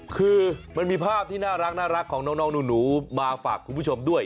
คือมันมีภาพที่น่ารักของน้องหนูมาฝากคุณผู้ชมด้วย